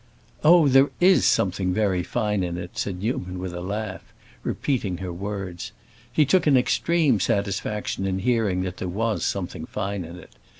"Oh, there is something very fine in it!" said Newman with a laugh, repeating her words. He took an extreme satisfaction in hearing that there was something fine in it.